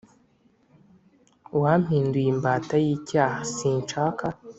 wampinduye imbata yicyaha sinshaka